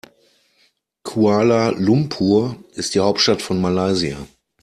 Kuala Lumpur ist die Hauptstadt von Malaysia.